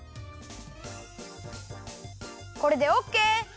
これでオッケー！